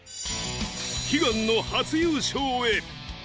悲願の初優勝へ。